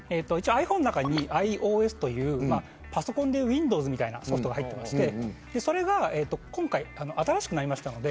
ｉＰｈｏｎｅの中にｉＯＳというパソコンでいうＷｉｎｄｏｗｓみたいなソフトが入ってましてそれが今回、新しくなりました。